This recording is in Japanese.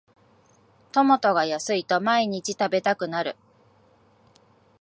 トマトが安いと毎日食べたくなる